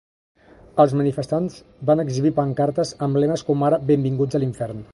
Els manifestants van exhibir pancartes amb lemes com ara ‘Benvinguts a l’infern’.